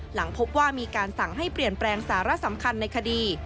หลังพบว่ามีการสั่งให้เปลี่ยนแปลงสาระสำคัญในคดี